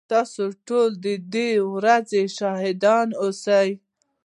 تاسو ټول ددې ورځي شاهدان اوسئ